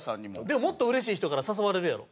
でももっとうれしい人から誘われるやろ？